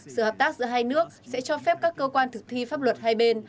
sự hợp tác giữa hai nước sẽ cho phép các cơ quan thực thi pháp luật hai bên